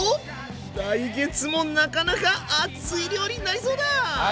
来月もなかなか熱い料理になりそうだ！